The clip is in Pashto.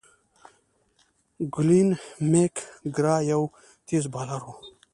گلين میک ګرا یو تېز بالر وو.